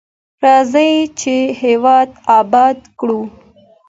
راځئ چې هیواد اباد کړو.